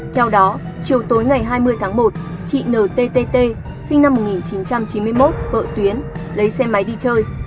theo đó chiều tối ngày hai mươi tháng một chị ntt sinh năm một nghìn chín trăm chín mươi một vợ tuyến lấy xe máy đi chơi